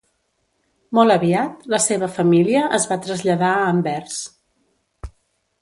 Molt aviat la seva família es va traslladar a Anvers.